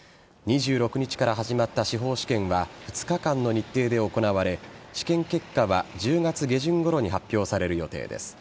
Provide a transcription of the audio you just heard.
２６日から始まった司法試験は２日間の日程で行われ試験結果は１０月下旬ごろに発表される予定です。